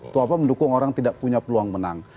itu apa mendukung orang tidak punya peluang menang